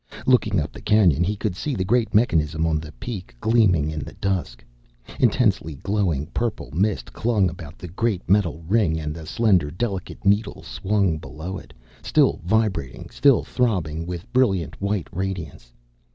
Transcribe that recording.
Looking up the canyon, he could see the great mechanism on the peak, gleaming in the dusk. Intensely glowing purple mist clung about the great metal ring, and the slender, delicate needle swung below it, still vibrating, still throbbing with brilliant, white radiance.